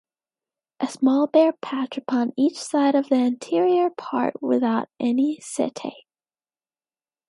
A small bare patch upon each side of the anterior part without any setae.